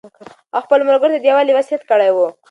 هغه خپلو ملګرو ته د یووالي وصیت کړی و.